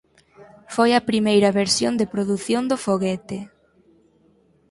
Foi a primeira versión de produción do foguete.